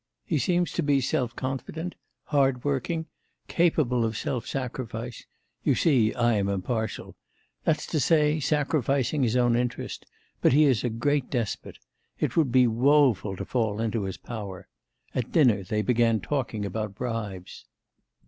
He seems to be self confident, hardworking, capable of self sacrifice (you see, I am impartial), that's to say, of sacrificing his own interest; but he is a great despot. It would be woeful to fall into his power! At dinner they began talking about bribes.